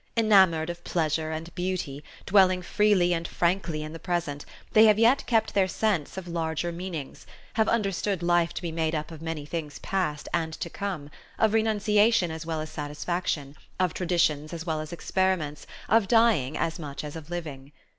Enamoured of pleasure and beauty, dwelling freely and frankly in the present, they have yet kept their sense of larger meanings, have understood life to be made up of many things past and to come, of renunciation as well as satisfaction, of traditions as well as experiments, of dying as much as of living.